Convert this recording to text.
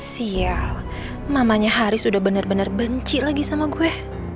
sial mamanya haris udah bener bener benci lagi sama gue